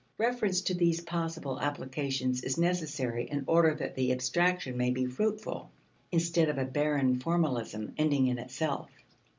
Reference to these possible applications is necessary in order that the abstraction may be fruitful, instead of a barren formalism ending in itself.